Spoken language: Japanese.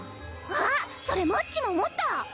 あっそれマッチも思った！